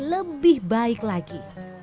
lebih baik lagi